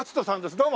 どうも！